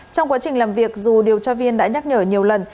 trong quá trình làm việc dù điều tra viên đã nhắc nhở nhiều lần